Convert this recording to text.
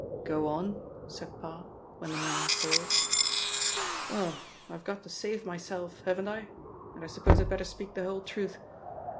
"Go on," said Parr, when the man paused. "Well, I've got to save myself, haven't I? And I suppose I'd better speak the whole truth.